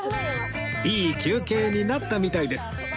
いい休憩になったみたいです